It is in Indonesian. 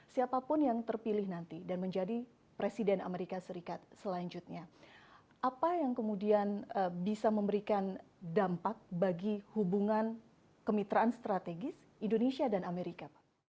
siapapun yang terpilih nanti dan menjadi presiden amerika serikat selanjutnya apa yang kemudian bisa memberikan dampak bagi hubungan kemitraan strategis indonesia dan amerika pak